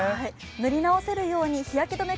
塗り直せるように日焼け止め